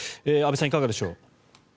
安部さん、いかがでしょう？